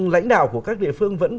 lãnh đạo của các địa phương